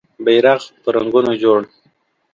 بېرغ په رنګونو جوړ